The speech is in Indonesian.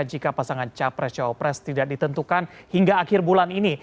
jika pasangan capres cawapres tidak ditentukan hingga akhir bulan ini